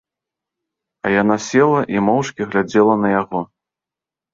А яна села і моўчкі глядзела на яго.